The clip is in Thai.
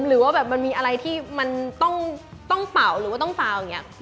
หรือว่าแบบมันมีอะไรที่มันต้องเป่าหรือว่าต้องเปล่าอย่างนี้